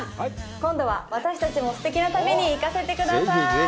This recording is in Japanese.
今度は私たちもすてきな旅に行かせてください。